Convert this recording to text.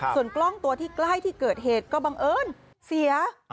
ส่วนกล้องตัวที่ใกล้ที่เกิดเหตุก็บังเอิญเสีย